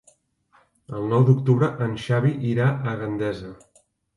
El nou d'octubre en Xavi irà a Gandesa.